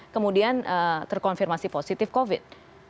kemudian terkonfirmasi positif covid